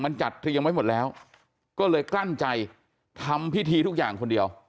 มันจัดเตรียมไว้หมดแล้วก็เลยกลั้นใจทำพิธีทุกอย่างคนเดียว